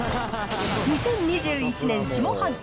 ２０２１年下半期